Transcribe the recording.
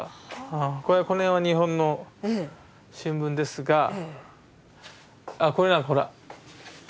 この辺は日本の新聞ですがああこれだほら。